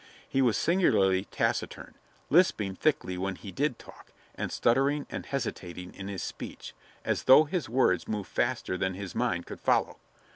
He was singularly taciturn, lisping thickly when he did talk, and stuttering and hesitating in his speech, as though his words moved faster than his mind could follow.